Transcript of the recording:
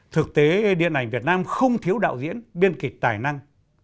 thực tế điện ảnh việt nam không thiếu đạo diễn biên kịch tài năng